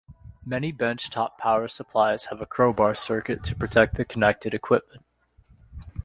Many bench top power supplies have a crowbar circuit to protect the connected equipment.